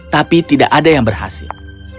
tapi tidak ada yang berhasil